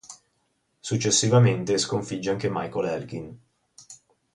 Successivamente, sconfigge anche Michael Elgin.